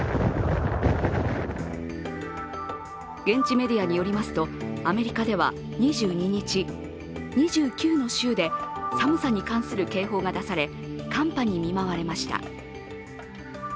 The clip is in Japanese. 現地メディアによりますとアメリカでは２２日２９の州で寒さに関する警報が出され、寒波に見舞われました。